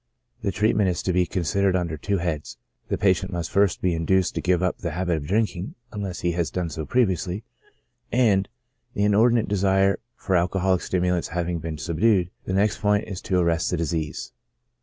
The treatment is to be considered under two heads : the patient must first be induced to give up the habit of drinking, unless he has done so previously ; and the inordinate desire for alcoholic stimulants having been subdued, the next point is to arrest the disease.